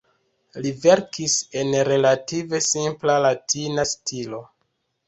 Li verkis en relative simpla latina stilo.